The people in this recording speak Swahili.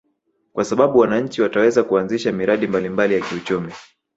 Kwa sababu wananchi wataweza kuanzisha miradi mbalimbali ya kiuchumi